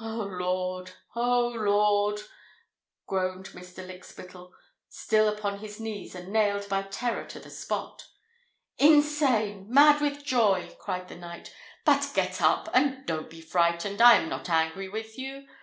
"O Lord! O Lord!" groaned Mr. Lykspittal, still upon his knees and nailed by terror to the spot. "Insane—mad with joy!" cried the knight. "But get up—and don't be frightened. I am not angry with you.